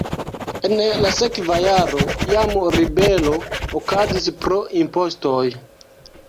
En la sekva jaro jam ribelo okazis pro impostoj.